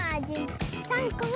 ３こめ。